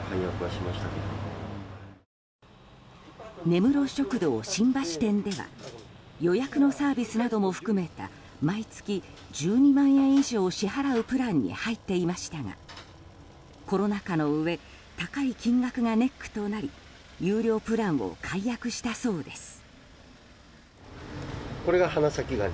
根室食堂新橋店では予約のサービスなども含めた毎月１２万円以上支払うプランに入っていましたがコロナ禍のうえ高い金額がネックとなり有料プランを解約したそうです。